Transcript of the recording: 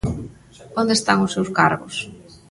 Onde están os seus cargos?